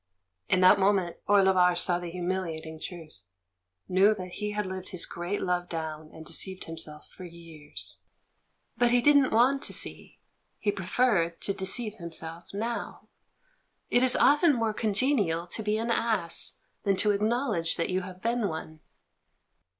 In that moment Orlebar saw the humiliating truth — knew that he had lived his great love down and deceived himself for years. But he didn't want to see — he preferred to deceive himself now. It is often more congenial to be an ass than to ack nowledge that you have been one.